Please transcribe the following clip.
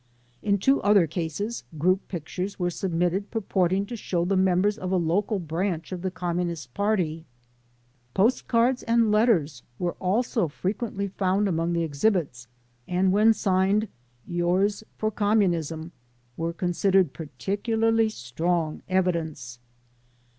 In two other cases, group pictures were submitted purporting to show the members of a local branch of the Communist Party. Post cards and letters were also frequently found among the exhibits, and when signed Yours for Communism," were considered particularly strong evidence.